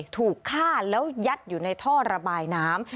ถูกฆ่าแล้วยัดอยู่ในท่อระบายน้ำ